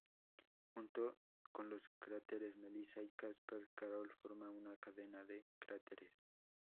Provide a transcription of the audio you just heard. Junto con los cráteres Melissa y Kasper, Carol forma una cadena de cráteres.